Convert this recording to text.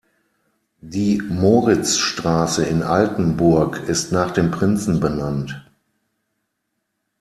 Die Moritzstraße in Altenburg ist nach dem Prinzen benannt.